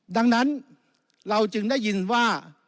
ดังนั้นเราจึงได้ยินว่า